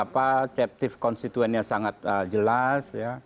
konseptif konstituennya sangat jelas